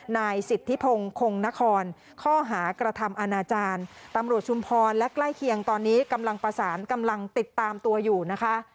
นายสิทธิพงศ์คงนครข้อหากระทำอาณาจารย์ตำรวจชุมพรและใกล้เคียงตอนนี้กำลังประสานกำลังติดตามตัวอยู่นะคะ